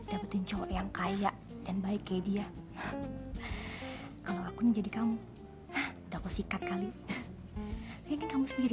dapetin cowok yang kaya dan baik kayak dia kalau aku nih jadi kamu udah aku sikat kali ini kamu sendiri